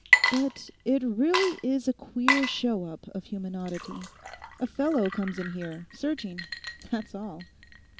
'But it really is a queer show up of human oddity. A fellow comes in here, searching; that's all.